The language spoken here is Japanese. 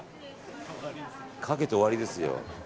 かけて終わりですよ。